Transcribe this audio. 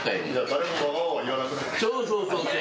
そうそうそうそう。